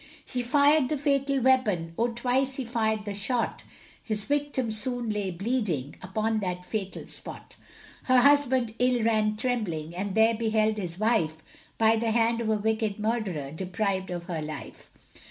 He fired the fatal weapon, Oh, twice he fired the shot, His victim soon lay bleeding, Upon that fatal spot; Her husband, ill, ran trembling, And there beheld his wife, By the hand of a wicked murderer, Deprived of her life.